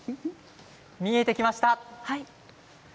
見えてきました。